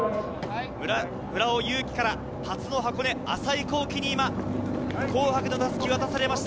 村尾雄己から初の箱根、浅井皓貴に紅白の襷、渡されました。